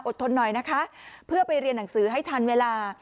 ทนหน่อยนะคะเพื่อไปเรียนหนังสือให้ทันเวลา